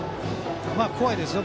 怖いですよ。